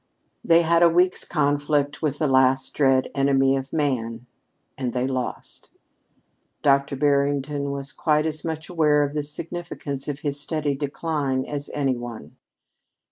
They had a week's conflict with the last dread enemy of man, and they lost. Dr. Barrington was quite as much aware of the significance of his steady decline as any one.